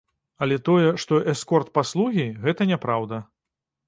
Але тое, што эскорт-паслугі, гэта няпраўда.